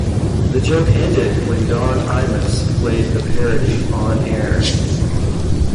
The joke ended when Don Imus played the parody on-air.